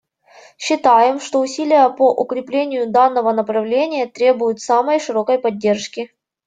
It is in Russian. Считаем, что усилия по укреплению данного направления требуют самой широкой поддержки.